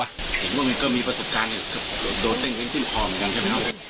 เห็นว่ามันก็มีประสบการณ์โดนเต้นขึ้นคอเหมือนกันใช่ไหมครับ